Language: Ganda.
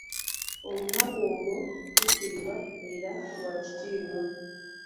Olunaku olwo tutiibwa era lwa kitiibwa.